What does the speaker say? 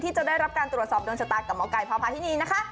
จะได้รับการตรวจสอบโดนชะตากับหมอไก่พาพาทินีนะคะ